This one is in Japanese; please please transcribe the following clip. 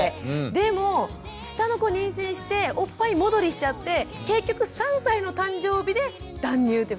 でも下の子妊娠しておっぱい戻りしちゃって結局３歳の誕生日で断乳っていう形だったんですよね。